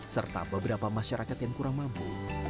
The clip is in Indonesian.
serta beberapa masyarakat yang kurang mampu